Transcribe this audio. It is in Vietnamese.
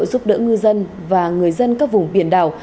giúp đỡ ngư dân và người dân các vùng biển đảo